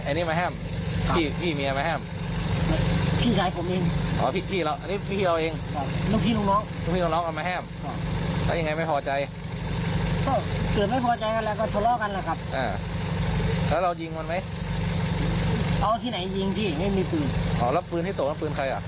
เอาที่ไหนยิงพี่ไม่มีปืนอ๋อแล้วปืนที่ตกน่ะปืนใครอ่ะ